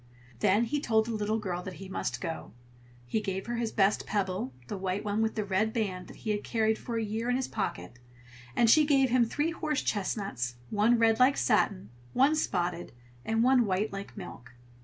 Then he told the little girl that he must go; and he gave her his best pebble, the white one with the red band, that he had carried for a year in his pocket; and she gave him three horse chestnuts, one red like satin, one spotted, and one white like milk.